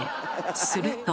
すると。